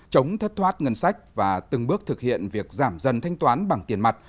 chống thất thoát ngân sách và từng bước thực hiện việc giảm dần thanh toán bằng tiền mặt